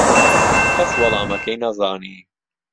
کەس وەڵامەکەی نەزانی.